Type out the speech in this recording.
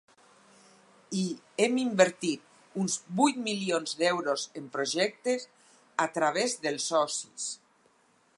I hem invertit uns vuit milions d’euros en projectes a través dels socis.